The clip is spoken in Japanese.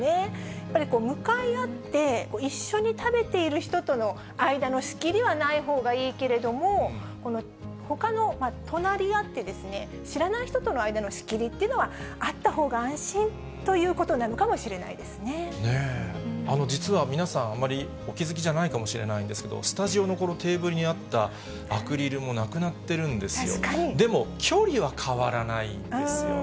やっぱり向かい合って一緒に食べている人との間の仕切りはないほうがいいけれども、ほかの、隣り合って、知らない人との間の仕切りっていうのはあったほうが安心というこ実は、皆さん、あんまりお気付きじゃないかもしれませんけれども、スタジオのこのテーブルにあったアクリルもなくなってるんですよ。